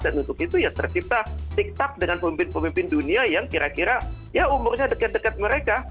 dan untuk itu ya tercipta tiktok dengan pemimpin pemimpin dunia yang kira kira ya umurnya dekat dekat mereka